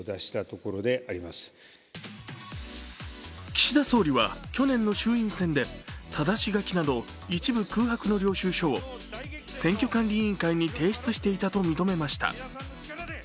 岸田総理は去年の衆院選で、ただし書きなど一部空白の領収書を選挙管理委員会に提出していたと認めました。